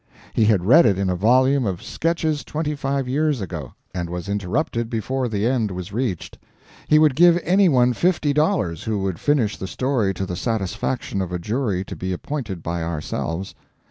He had read it in a volume of sketches twenty five years ago, and was interrupted before the end was reached. He would give any one fifty dollars who would finish the story to the satisfaction of a jury to be appointed by ourselves.